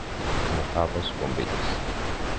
como cabos, bombillas.